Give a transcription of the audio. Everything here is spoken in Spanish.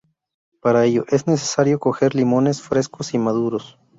Para ello, es necesario coger limones frescos y maduros.